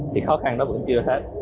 thì khó khăn đó vẫn chưa hết